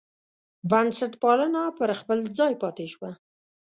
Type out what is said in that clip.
بنسټپالنه پر خپل ځای پاتې شوه.